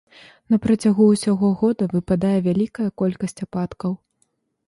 На працягу ўсяго года выпадае вялікая колькасць ападкаў.